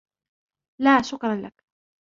لا ، شكراً لك.